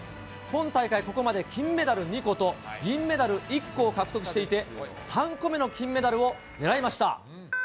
今大会、ここまで金メダル２個と銀メダル１個を獲得していて、３個目の金メダルを狙いました。